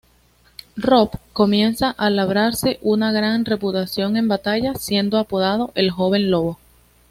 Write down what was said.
Robb comienza a labrarse una gran reputación en batalla, siendo apodado "El Joven Lobo".